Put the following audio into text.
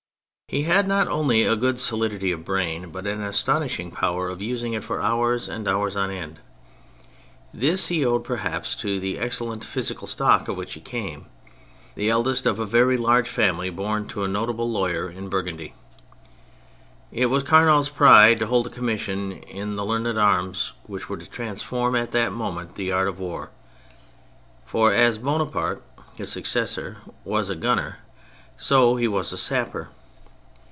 He had not only a good solidity of brain, but an astonishing power of using it for hours and hours on end. This he owed perhaps to the excellent physical stock of which he came, the eldest of a very large family born to a notable lawyer in Burgundy. It was Carnot's pride to hold a commission in the learned arms which were to transform at that moment the art of war : for as Bona parte, his successor, was a gunner, so he was a sapper.